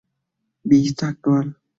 Vista Actual